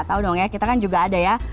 tahu dong ya kita kan juga ada ya